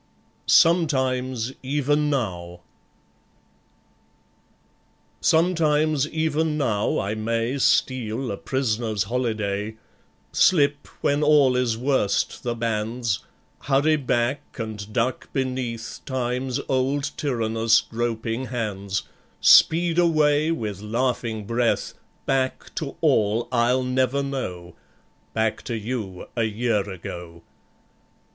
Sometimes Even Now ... Sometimes even now I may Steal a prisoner's holiday, Slip, when all is worst, the bands, Hurry back, and duck beneath Time's old tyrannous groping hands, Speed away with laughing breath Back to all I'll never know, Back to you, a year ago.